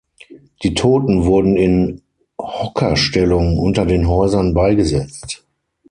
Die Toten wurden in Hockerstellung unter den Häusern beigesetzt.